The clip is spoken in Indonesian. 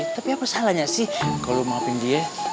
tapi apa salahnya sih kalo lu maafin dia